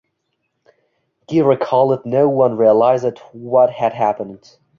Gee recalled No one realized what had happened.